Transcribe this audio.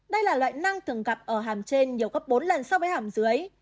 đây là loại năng thường gặp ở hàm trên nhiều gấp bốn lần so với hàm dưới